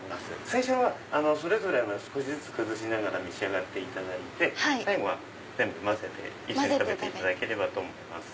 最初は少しずつ崩しながら召し上がっていただいて最後は全部混ぜて一緒に食べていただければと思います。